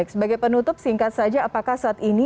sebagai penutup singkat saja apakah saat ini